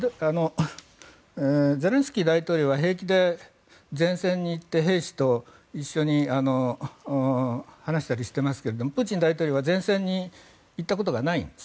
ゼレンスキー大統領は平気で前線に行って兵士と一緒に話したりしていますがプーチン大統領は前線に行ったことがないんです。